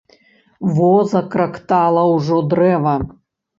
Во закрактала ўжо дрэва.